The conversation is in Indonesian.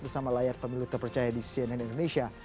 bersama layar pemilu terpercaya di cnn indonesia